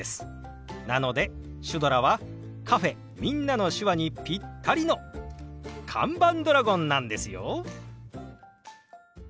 なのでシュドラはカフェ「みんなの手話」にピッタリの看板ドラゴンなんですよ。